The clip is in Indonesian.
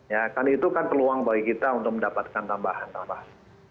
ya kan itu kan peluang bagi kita untuk mendapatkan tambahan tambahan